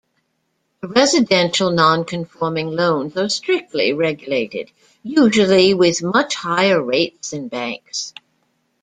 Residential non-conforming loans are strictly regulated, usually with much higher rates than banks.